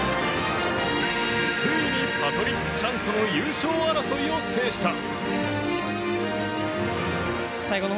ついにパトリック・チャンとの優勝争いを制した。